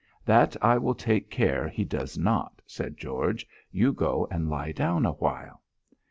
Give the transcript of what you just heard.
"That I will take care he does not," said George. "You go and lie down a while."